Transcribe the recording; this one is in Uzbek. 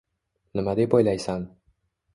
Nima deb o‘ylaysan